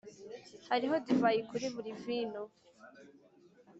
hariho divayi kuri buri vino.